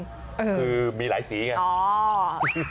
คือมีหลายสีไง